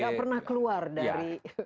yang tidak pernah keluar dari